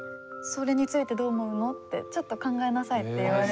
「それについてどう思うの？」って「ちょっと考えなさい」って言われて。